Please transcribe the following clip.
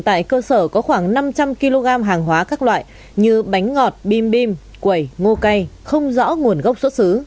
tại cơ sở có khoảng năm trăm linh kg hàng hóa các loại như bánh ngọt bim bim quẩy ngô cây không rõ nguồn gốc xuất xứ